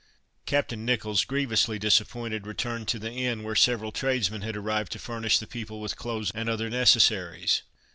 Captain Nicholls, grievously disappointed, returned to the inn, where several tradesmen had arrived to furnish the people with clothes and other necessaries.